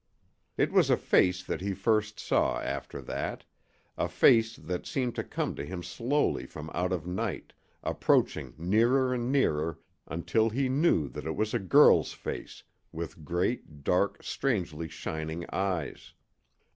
It was a face that he first saw after that, a face that seemed to come to him slowly from out of night, approaching nearer and nearer until he knew that it was a girl's face, with great, dark, strangely shining eyes.